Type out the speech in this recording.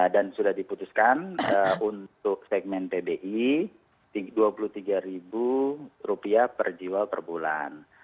dan sudah diputuskan untuk segmen pbi dua puluh tiga rupiah per jiwa per bulan